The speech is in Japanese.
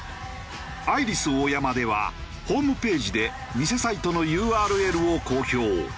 アイリスオーヤマではホームページで偽サイトのＵＲＬを公表。